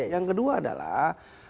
yang kedua adalah